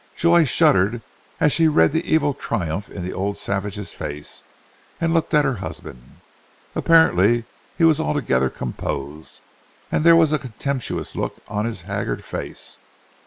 Joy shuddered as she read the evil triumph in the old savage's face, and looked at her husband. Apparently he was altogether composed, and there was a contemptuous look on his haggard face.